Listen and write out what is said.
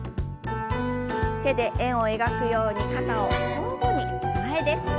手で円を描くように肩を交互に前です。